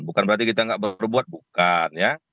bukan berarti kita gak berbuat bukan